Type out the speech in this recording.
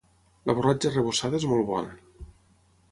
La borratja arrebossada és molt bona